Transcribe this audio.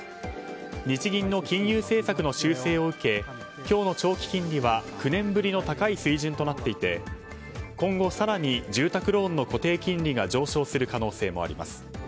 日銀の金融政策の修正を受け今日の長期金利は９年ぶりの高い水準となっていて今後更に住宅ローンの固定金利が上昇する可能性もあります。